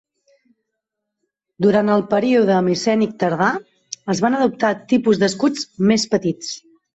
Durant el període micènic tardà, es van adoptar tipus d'escuts més petits.